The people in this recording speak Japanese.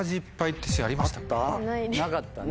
なかったね。